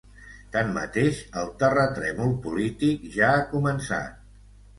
Tanmateix, el terratrèmol polític ja ha començat.